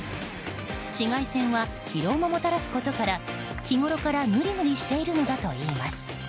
紫外線は疲労ももたらすことから日ごろから塗り塗りしているのだといいます。